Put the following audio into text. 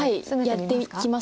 やっていきますか。